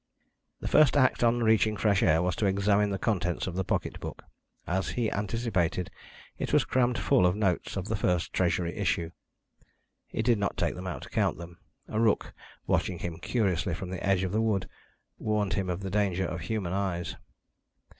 The first act, on reaching the fresh air, was to examine the contents of the pocket book. As he anticipated, it was crammed full of notes of the first Treasury issue. He did not take them out to count them; a rook, watching him curiously from the edge of the wood, warned him of the danger of human eyes.